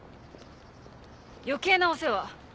余計なお世話。